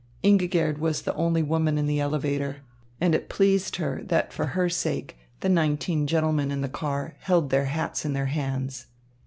Ingigerd was the only woman in the elevator, and it pleased her that for her sake the nineteen gentlemen in the car held their hats in their hands.